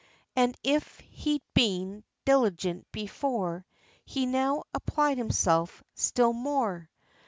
And if he'd been diligent before, He now applied himself still more.